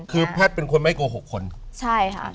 คือแพทย์เป็นคนไม่โกหกคนใช่ค่ะ